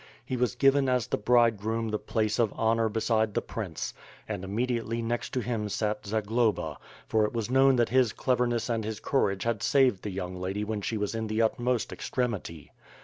He was given as the bridegroom the place of honor beside the prince, and immediately next to him sat Zagloba, for it was known that his cleverness and his courage had saved the young lady when she was in the utmost extremity.